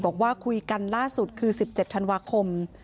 บอกว่าคุยกันล่าสุดคือ๑๗ธันวาคม